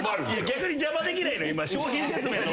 逆に邪魔できない今商品説明の。